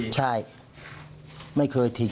ใช่ไม่เคยถึงตัว